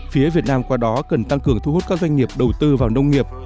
phía việt nam qua đó cần tăng cường thu hút các doanh nghiệp đầu tư vào nông nghiệp